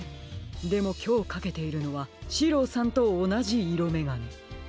でもきょうかけているのはシローさんとおなじいろめがね。